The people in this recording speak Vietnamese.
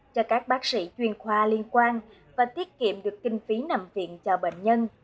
cho các bác sĩ chuyên khoa liên quan và tiết kiệm được kinh phí nằm viện cho bệnh nhân